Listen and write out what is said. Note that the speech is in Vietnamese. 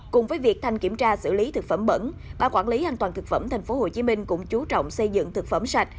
cùng với việc thành kiểm tra xử lý thực phẩm bẩn ban quản lý an toàn thực phẩm tp hcm cũng chú trọng xây dựng thực phẩm sạch